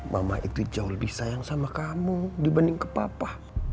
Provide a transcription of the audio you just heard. mama itu jauh lebih sayang sama kamu dibanding kepapa